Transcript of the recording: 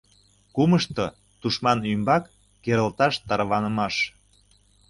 Кумышто — тушман ӱмбак керылташ тарванымаш.